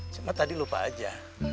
cuma tadi lupa aja